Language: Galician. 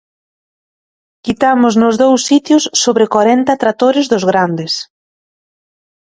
Quitamos nos dous sitios sobre corenta tractores dos grandes.